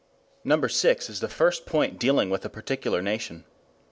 Number six is the first point dealing with a particular nation.